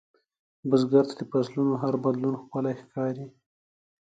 بزګر ته د فصلونـو هر بدلون ښکلی ښکاري